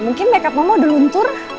mungkin makeup mama udah luntur